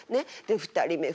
で２人目。